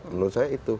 menurut saya itu